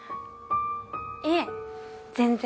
いえ全然。